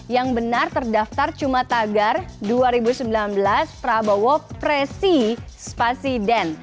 yang benar terdaftar cuma tagar dua ribu sembilan belas prabowo presi spasiden